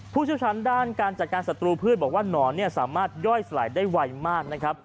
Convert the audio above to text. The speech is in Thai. เชี่ยวชาญด้านการจัดการศัตรูพืชบอกว่าหนอนสามารถย่อยสลายได้ไวมากนะครับ